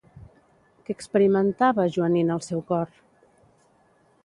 Què experimentava Joanín al seu cor?